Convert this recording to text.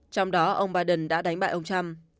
trong đó ông biden đã đánh bại ông trump